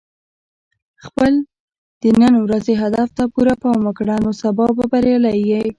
خپل د نن ورځې هدف ته پوره پام وکړه، نو سبا به بریالی یې.